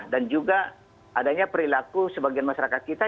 juga adanya perilaku sebagian masyarakat kita